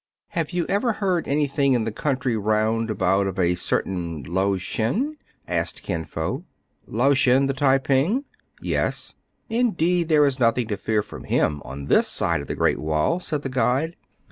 Have you ever heard any thing in the country round about of a certain Lao Shen ?" asked Kin Fo. " Lao Shen the Tai ping ?"" Yes." " Indeed there is nothing to fear from him on this side of the Great Wall," said the guide.